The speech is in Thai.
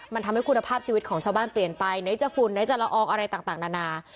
มันทำให้คุณภาพชีวิตของชาวบ้านเปลี่ยนไปไหนจะฝุ่นไหนจะละอองอะไรต่างนานา